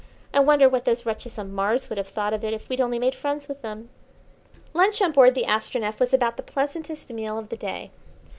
I wonder what those wretches on Mars would have thought of it if we'd only made friends with them?" Lunch on board the Astronef was about the pleasantest meal of the day.